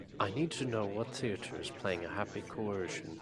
I need to know what theatre is playing A Happy Coersion